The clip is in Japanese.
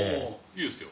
いいですよ。